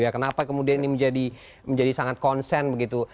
kenapa kemudian ini menjadi sangat konsen begitu